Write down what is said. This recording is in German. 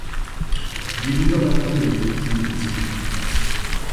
Die Niederländer belegten den siebten Platz.